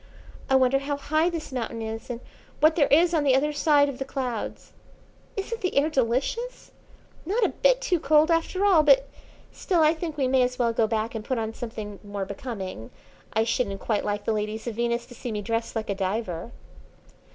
I wonder how high this mountain is, and what there is on the other side of the clouds. Isn't the air delicious! Not a bit too cold after all but, still, I think we may as well go back and put on something more becoming. I shouldn't quite like the ladies of Venus to see me dressed like a diver."